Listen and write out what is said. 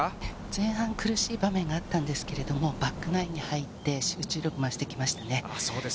前半、苦しい場面があったんですけれども、バックナインに入って、集中力増してきましたね。